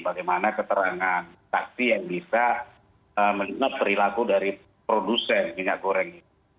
bagaimana keterangan saksi yang bisa melihat perilaku dari produsen minyak goreng